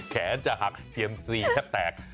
แขนหักเจี๋ยมสี่แทบแตก